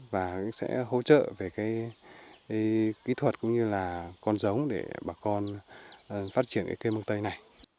và sẽ hỗ trợ về cái kỹ thuật cũng như là con giống để bà con phát triển cái cây mương tây này